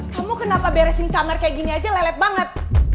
kamu kenapa beresin kamar kayak gini aja lelet banget